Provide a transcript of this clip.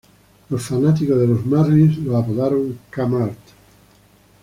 Los fanáticos de los Marlins lo apodaron K-Mart.